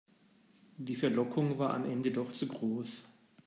Die Verlockung war am Ende doch zu groß.